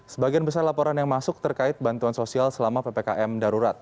sebagian besar laporan yang masuk terkait bantuan sosial selama ppkm darurat